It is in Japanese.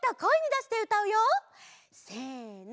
せの。